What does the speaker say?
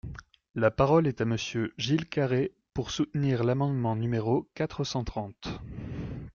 La parole est à Monsieur Gilles Carrez, pour soutenir l’amendement numéro quatre cent trente.